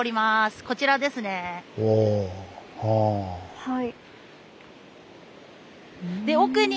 はい。